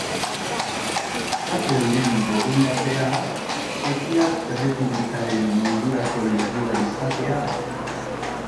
Kate honen borondatea, Txekiar Errepublikaren mundurako leihoa izatea da.